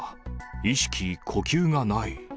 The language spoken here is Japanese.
意識、呼吸がない。